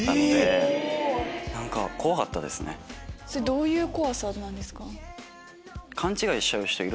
⁉どういう怖さなんですか？